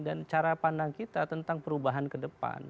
dan cara pandang kita tentang perubahan kedepan